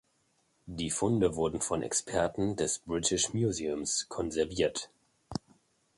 Die Funde wurden von Experten des British Museums konserviert.